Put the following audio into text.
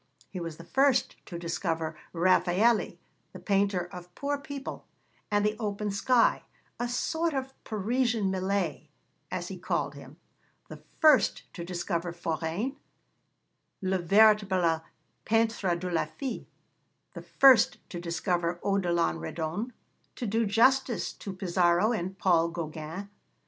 He was the first to discover Raffaëlli, 'the painter of poor people and the open sky a sort of Parisian Millet,' as he called him; the first to discover Forain, 'le véritable peintre de la fille'; the first to discover Odilon Redon, to do justice to Pissaro and Paul Gauguin.